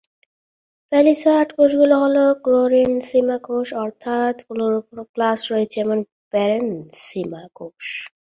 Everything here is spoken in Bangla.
প্যালিসাড কোষগুলো হল ক্লোরেনসিমা কোষ, অর্থাৎ ক্লোরোপ্লাস্ট রয়েছে এমন প্যারেনসিমা কোষ।